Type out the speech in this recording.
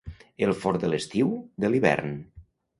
El fort de l'estiu, de l'hivern.